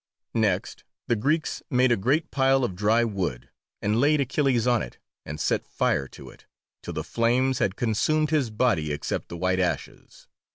Next the Greeks made a great pile of dry wood, and laid Achilles on it, and set fire to it, till the flames had consumed his body except the white ashes.